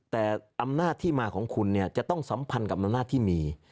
แต่อำนาจที่มาของคุณเนี่ยจะต้องสัมพันธ์กับอำนาจที่มี